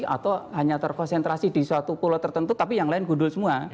atau hanya terkonsentrasi di suatu pulau tertentu tapi yang lain gundul semua